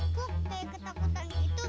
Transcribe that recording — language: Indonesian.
kok kayak ketakutannya itu